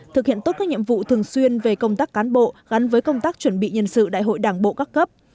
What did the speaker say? thực hiện tốt các nhiệm vụ thường xuyên về công tác cán bộ gắn với công tác chuẩn bị nhân sự đại hội đảng bộ các cấp